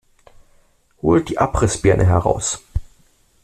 Holt die Abrissbirne heraus!